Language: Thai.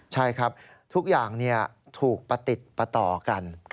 ใช่ครับทุกอย่างถูกประติดประต่อกัน